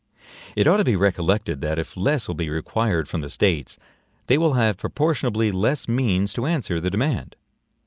It ought to be recollected that if less will be required from the States, they will have proportionably less means to answer the demand.